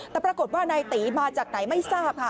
แต่ปรากฏว่านายตีมาจากไหนไม่ทราบค่ะ